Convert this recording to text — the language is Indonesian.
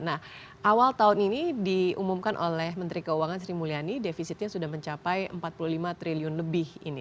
nah awal tahun ini diumumkan oleh menteri keuangan sri mulyani defisitnya sudah mencapai empat puluh lima triliun lebih ini